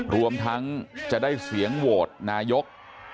รวมทั้งจะได้เสียงโหวตนายก